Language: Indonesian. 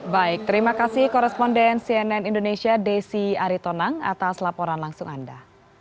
baik terima kasih koresponden cnn indonesia desi aritonang atas laporan langsung anda